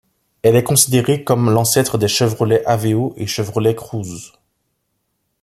Elle est considérée comme l'ancêtre des Chevrolet Aveo et Chevrolet Cruze.